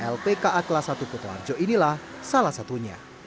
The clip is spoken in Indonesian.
lpka kelas satu kutoarjo inilah salah satunya